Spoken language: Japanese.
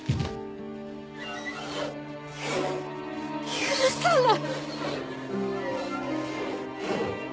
許さない。